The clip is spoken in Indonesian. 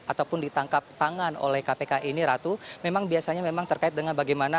ataupun ditangkap tangan oleh kpk ini ratu memang biasanya memang terkait dengan bagaimana